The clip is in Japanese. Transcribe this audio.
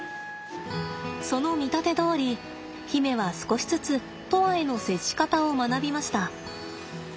その見立てどおり媛は少しずつ砥愛への接し方を学びました。